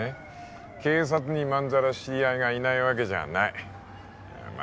警察にまんざら知り合いがいないわけじゃないまあ